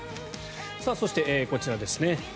そして、こちらですね。